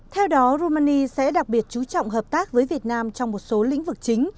theo đó romani sẽ đặc biệt chú trọng hợp tác với việt nam trong một số lĩnh vực chính